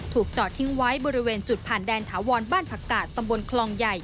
จอดทิ้งไว้บริเวณจุดผ่านแดนถาวรบ้านผักกาดตำบลคลองใหญ่